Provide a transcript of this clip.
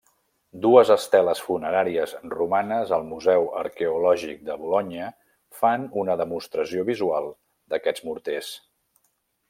Dues esteles funeràries romanes al museu arqueològic de Bolonya fan una demostració visual d'aquests morters.